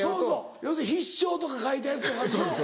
要するに「必勝」とか書いたやつとかでしょ。